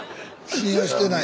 信用してない。